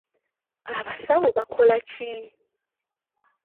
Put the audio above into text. Abasawo bakola ki?